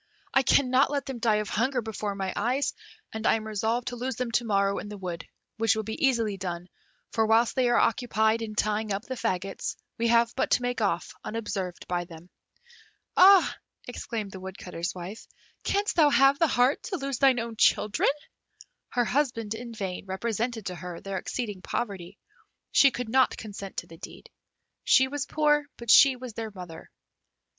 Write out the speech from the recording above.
I cannot let them die of hunger before my eyes, and I am resolved to lose them to morrow in the wood, which will be easily done, for whilst they are occupied in tying up the faggots, we have but to make off unobserved by them." "Ah!" exclaimed the Woodcutter's wife, "Canst thou have the heart to lose thine own children?" Her husband in vain represented to her their exceeding poverty; she could not consent to the deed. She was poor, but she was their mother.